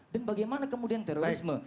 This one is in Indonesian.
dan bagaimana kemudian terorisme